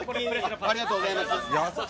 ありがとうございます。